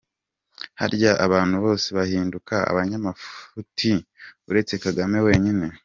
Harya abantu bose bahinduka abanyamafuti uretse Kagame wenyine?